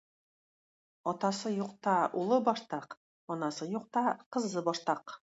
Атасы юкта улы баштак, анасы юкта кызы баштак.